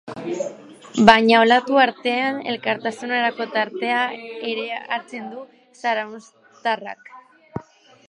Baina olatu artean elkartasunerako tartea ere hartzen du zarauztarrak.